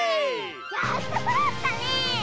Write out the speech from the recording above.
やっとそろったね！